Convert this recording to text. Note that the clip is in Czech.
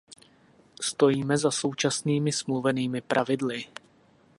Stojíme za současnými smluvenými pravidly.